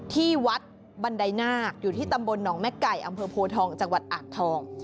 ที่วัดบันไดนาคอยู่ที่ตำบลหนองแม่ไก่อำเภอโพทองจังหวัดอ่างทอง